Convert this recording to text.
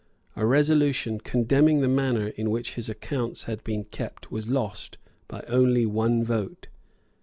A resolution condemning the manner in which his accounts had been kept was lost by only one vote.